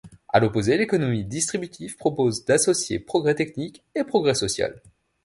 À l'opposé, l'économie distributive propose d'associer progrès technique et progrès social.